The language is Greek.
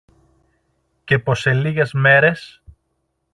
και πως σε λίγες μέρες